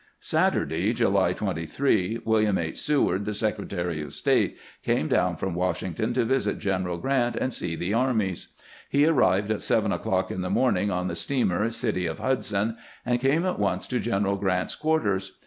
Saturday, July 23, William H. Seward, the Secretary of State, came down from Washington to visit Q eneral G rant and see the armies. He arrived at seven o'clock in the morning on the steamer City of Hudson, and came at once to General Grant's quarters.